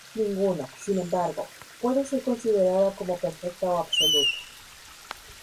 Ninguna, sin embargo, puede ser considerada como perfecta o absoluta.